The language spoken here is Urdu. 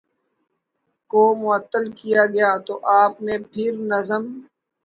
کو معطل کیا گیا تو آپ نے پھر نظم